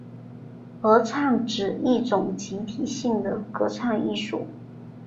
合唱指一种集体性的歌唱艺术。